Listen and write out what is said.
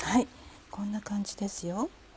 こんな感じですよ。